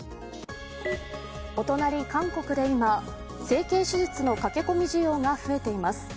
お隣、韓国で今、整形手術の駆け込み需要が増えています。